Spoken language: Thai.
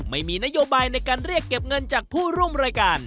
ไม่มีนโยบายในการเรียกเก็บเงินจากผู้ร่วมรายการ